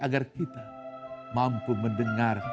agar kita mampu mendengar